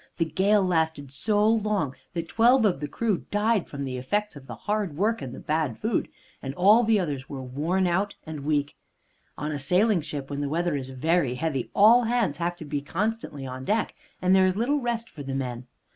The gale lasted so long that twelve of the crew died from the effects of the hard work and the bad food, and all the others were worn out and weak. On a sailing ship, when the weather is very heavy, all hands have to be constantly on deck, and there is little rest for the men.